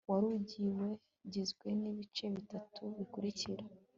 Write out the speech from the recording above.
wari ugizwe n'ibice bitatu bikurikira